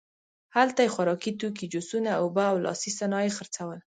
هلته یې خوراکي توکي، جوسونه، اوبه او لاسي صنایع خرڅول.